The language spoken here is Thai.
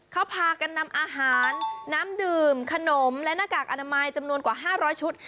เขาพากันนำอาหารน้ำดื่มขนมและหน้ากากอนามัยจำนวนกว่า๕๐๐ชุด